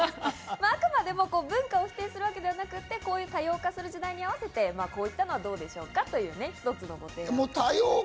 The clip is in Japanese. あくまでも文化を否定するわけではなくて、こういう多様化する時代に合わせてこういったのはどうでしょうかというひとつの提案。